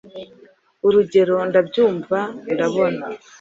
Urugero “Ndabyumva” “Ndabona”